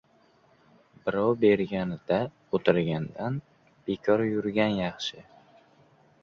• Birov berganida o‘tirgandan, bekor yurgan yaxshi.